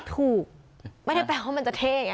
ถูกไม่ได้แปลว่ามันจะเท่ไง